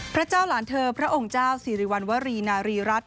พระเจ้าหลานเธอพระองค์เจ้าสิริวัณวรีนารีรัฐ